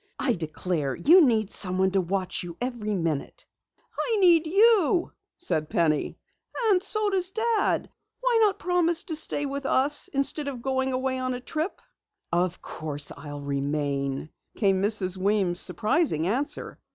I declare, you need someone to watch you every minute." "I need you," said Penny. "And so does Dad. Why not promise to stay with us instead of going away on a trip?" "Of course, I'll remain," came Mrs. Weems' surprising answer.